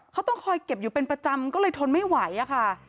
เขาต้องคอยเก็บอยู่เป็นประจำก็เลยทนไม่ไหวอะค่ะ